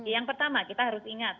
yang pertama kita harus ingat